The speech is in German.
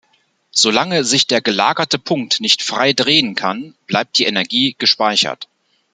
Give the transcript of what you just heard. Solange sich der gelagerte Punkt nicht frei drehen kann, bleibt die Energie gespeichert.